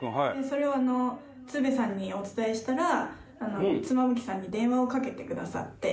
それを鶴瓶さんにお伝えしたら妻夫木さんに電話をかけてくださって。